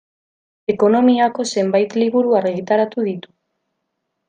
Ekonomiako zenbait liburu argitaratu ditu.